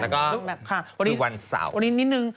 แล้วก็ค่ะคือวันเสาร์วันนี้นิดนึง